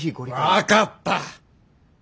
分かった。